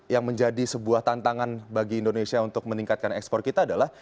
yang menjadi sebuah tantangan bagi indonesia untuk meningkatkan ekspor kita adalah